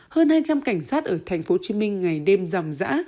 hơn hai trăm linh cảnh sát ở tp hcm ngày đêm rằm rã